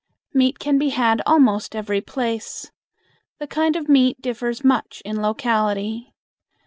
Meat can be had almost every place. The kind of meat differs much in locality.